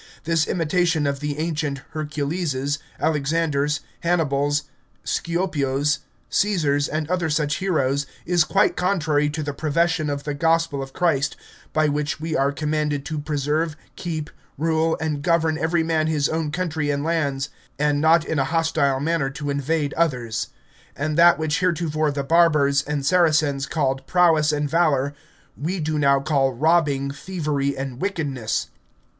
This imitation of the ancient Herculeses, Alexanders, Hannibals, Scipios, Caesars, and other such heroes, is quite contrary to the profession of the gospel of Christ, by which we are commanded to preserve, keep, rule, and govern every man his own country and lands, and not in a hostile manner to invade others; and that which heretofore the Barbars and Saracens called prowess and valour, we do now call robbing, thievery, and wickedness.